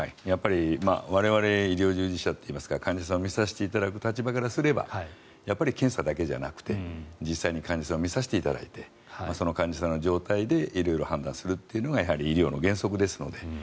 やっぱり我々、医療従事者といいますか患者さんを診させていただく立場からすればやっぱり検査だけじゃなくて実際に患者さんを診させていただいてその患者さんの状態で色々判断するというのが医療の原則ですので。